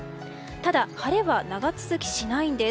ただ晴れは長続きしないんです。